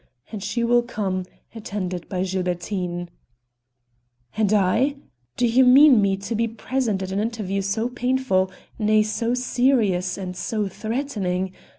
and she will come, attended by Gilbertine." "And I? Do you mean me to be present at an interview so painful, nay, so serious and so threatening?